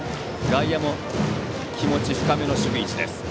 外野は気持ち深めの守備位置です。